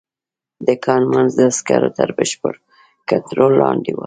د کان منځ د عسکرو تر بشپړ کنترول لاندې و